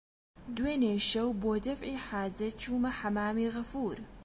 دوێنێ شەو بۆ دەفعی حاجەت چوومە حەممامی غەفوور